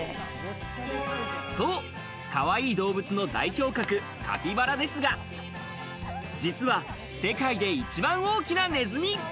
そう、かわいい動物の代表格カピバラですが、実は世界で一番大きなネズミ。